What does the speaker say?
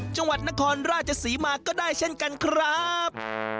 จังหวัดนครราชศรีมาก็ได้เช่นกันครับ